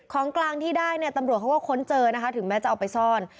ของกลางที่ได้เนี่ยตำรวจเขาก็ค้นเจอนะคะถึงแม้จะเอาไปซ่อน